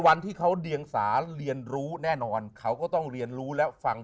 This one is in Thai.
วันที่เขาเดียงสาเรียนรู้แน่นอนเขาก็ต้องเรียนรู้และฟัง